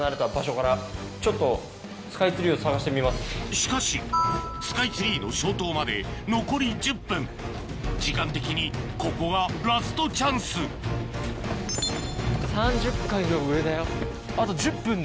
しかしスカイツリーの消灯まで残り１０分時間的にここがラストチャンス３０階の上だよあと１０分だよ。